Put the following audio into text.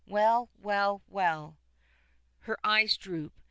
"Well, well, well!" Her eyes droop.